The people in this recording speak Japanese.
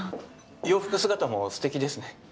洋服姿もすてきですね。